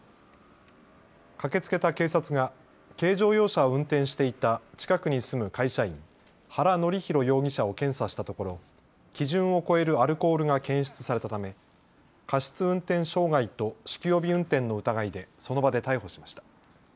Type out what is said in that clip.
駆けつけた警察が軽乗用車を運転していた近くに住む会社員、原紀弘容疑者を検査したところ基準を超えるアルコールが検出されたため過失運転傷害と酒気帯び運転の疑いでその場で逮捕しました。